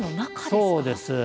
そうです。